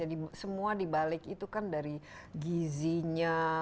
jadi semua dibalik itu kan dari gizinya